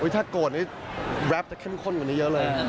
ถ้าโกรธนี่แรปจะเข้มข้นกว่านี้เยอะเลย